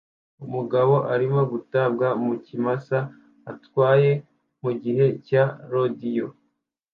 Umugabo arimo gutabwa mu kimasa atwaye mugihe cya rodeo